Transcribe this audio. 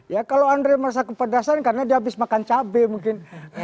ya kalau andre merasa kepedasan karena dia habis makan cabai mungkin